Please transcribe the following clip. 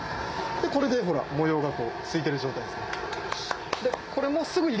これでほら模様がこう付いてる状態ですね。